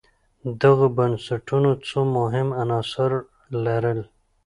دغو بنسټونو څو مهم عناصر لرل